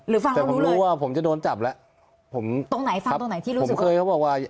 ฟังแต่ผมรู้ว่าผมจะโดนจับแล้วผมตรงไหนฟังตรงไหนที่รู้สึกเคยเขาบอกว่า